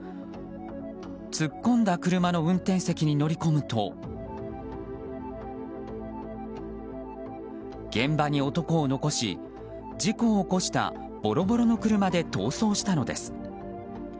突っ込んだ車の運転席に乗り込むと現場に男を残し事故を起こしたボロボロの車で逃走したのです。